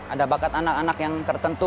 ada bakat anak anak yang tertentu